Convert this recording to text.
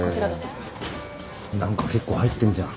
何か結構入ってんじゃん。